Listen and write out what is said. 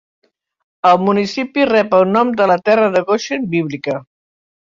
El municipi rep el nom de la Terra de Goshen bíblica.